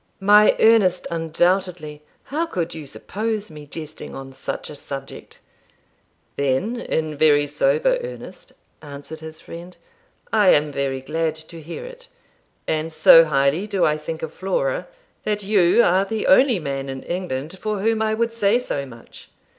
'My earnest, undoubtedly. How could you suppose me jesting on such a subject?' 'Then, in very sober earnest,' answered his friend, 'I am very glad to hear it; and so highly do I think of Flora, that you are the only man in England for whom I would say so much.